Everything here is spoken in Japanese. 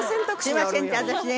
すいませんって私ね。